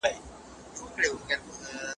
آیا انصارو ښې ښځي لرلې؟